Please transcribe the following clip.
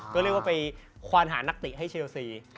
ก็เรียกว่าไปควานหานักเตะให้เชลซี